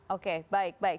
oke baik baik